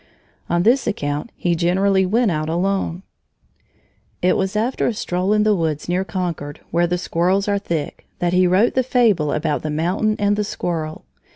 On this account he generally went out alone. It was after a stroll in the woods near Concord, where the squirrels are thick, that he wrote the fable about the mountain and the squirrel.